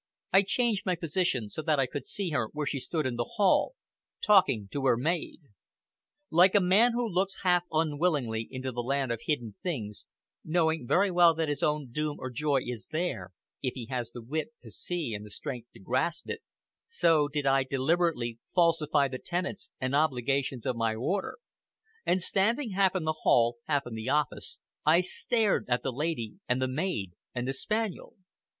I changed my position, so that I could see her where she stood in the hall, talking to her maid. Like a man who looks half unwillingly into the land of hidden things, knowing very well that his own doom or joy is there, if he has the wit to see and the strength to grasp it, so did I deliberately falsify the tenets and obligations of my order, and, standing half in the hall, half in the office, I stared at the lady and the maid and the spaniel.